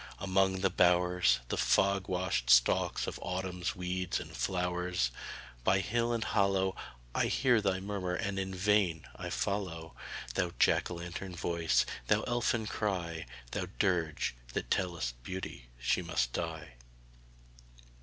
Among the bowers, The fog washed stalks of Autumn's weeds and flowers, By hill and hollow, I hear thy murmur and in vain I follow Thou jack o' lantern voice, thou elfin cry, Thou dirge, that tellest Beauty she must die.